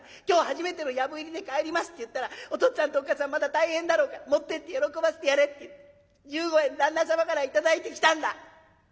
今日初めての藪入りで帰りますって言ったらお父っつぁんとおっ母さんまだ大変だろうから持ってって喜ばせてやれって１５円旦那様から頂いてきたんだ。